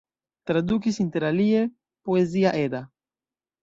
Tradukis interalie Poezia Edda.